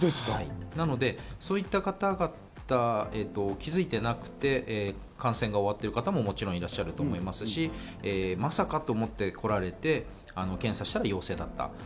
なのでそういった方々は気づいてなくて感染が終わっている方ももちろんいらっしゃると思いますし、まさかと思って来られて、検査したら陽性だった。